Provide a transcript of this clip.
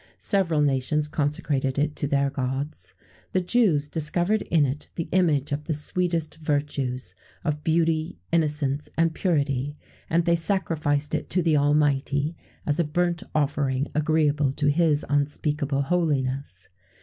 [XVII 83] Several nations consecrated it to their gods.[XVII 84] The Jews discovered in it the image of the sweetest virtues,[XVII 85] of beauty, innocence, and purity;[XVII 86] and they sacrificed it to the Almighty, as a burnt offering agreeable to His unspeakable holiness.